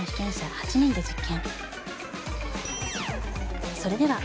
８人で実験。